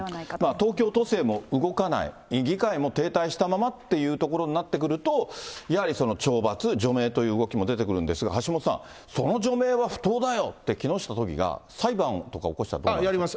東京都政も動かない、議会も停滞したままっていうところになってくると、やはり懲罰、除名という動きも出てくるんですが、橋下さん、その除名は不当だよって木下都議が裁判とか起こしたらどうなりまやります。